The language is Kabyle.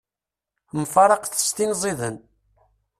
Mfaraqet s tin ziden.